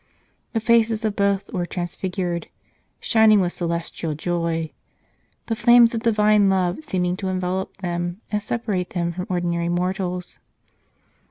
The faces of both were transfigured, shining with celestial joy, the flames of Divine love seeming to envelop them and separate them from ordinary mortals.